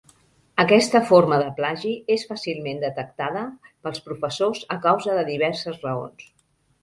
Aquesta forma de plagi és fàcilment detectada pels professors a causa de diverses raons.